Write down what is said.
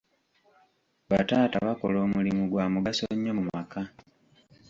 Bataata bakola omulimu gwa mugaso nnyo mu maka.